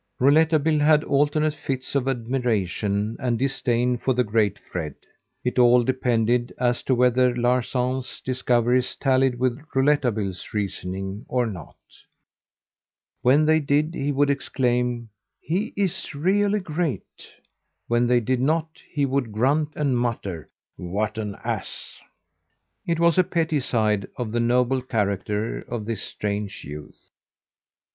Rouletabille had alternate fits of admiration and disdain for the great Fred. It all depended as to whether Larsan's discoveries tallied with Rouletabille's reasoning or not. When they did he would exclaim: "He is really great!" When they did not he would grunt and mutter, "What an ass!" It was a petty side of the noble character of this strange youth.